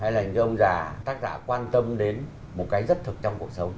hay là những ông già tác giả quan tâm đến một cái rất thực trong cuộc sống